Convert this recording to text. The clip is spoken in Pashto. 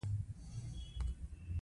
زه د رسنیو د پرمختګ ارزونه کوم.